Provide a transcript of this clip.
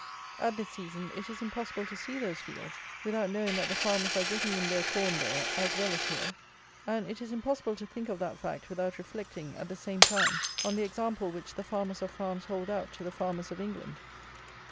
At this season, it is impossible to see those fields without knowing that the farmers are getting in their corn there as well as here; and it is impossible to think of that fact without reflecting, at the same time, on the example which the farmers of France hold out to the farmers of England.